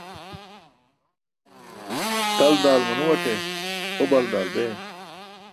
Tal daal manuwate, ho bal daal bee.